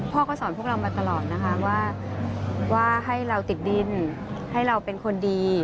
พ่อก็สอนพวกเรามาตลอดนะคะว่าให้เราติดดินให้เราเป็นคนดี